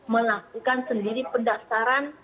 melakukan sendiri pendaftaran